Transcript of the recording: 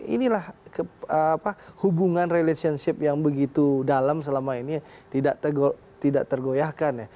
inilah hubungan relationship yang begitu dalam selama ini tidak tergoyahkan ya